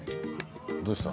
どうした？